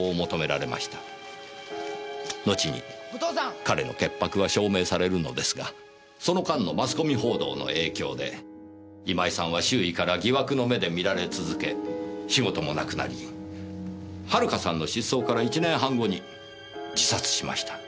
後に彼の潔白は証明されるのですがその間のマスコミ報道の影響で今井さんは周囲から疑惑の目で見られ続け仕事もなくなり遥さんの失踪から１年半後に自殺しました。